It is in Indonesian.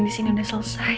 di sini udah selesai